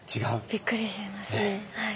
びっくりしますねはい。